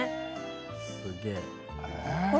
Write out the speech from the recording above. すげえ。